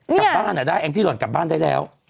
กลับบ้านได้แองจี้หล่อนกลับบ้านได้แล้ว